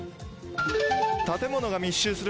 建物が密集する